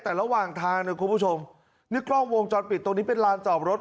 แต่ระหว่างทางนะคุณผู้ชมนี่กล้องวงจรปิดตรงนี้เป็นลานจอดรถ